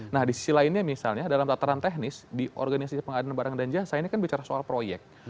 nah di sisi lainnya misalnya dalam tataran teknis di organisasi pengadaan barang dan jasa ini kan bicara soal proyek